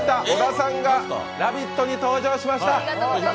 小田さんが「ラヴィット！」に登場しました。